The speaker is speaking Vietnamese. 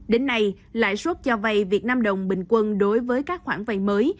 đến nay lãi suất cho vay việt nam đồng bình quân đối với các khoản vay mới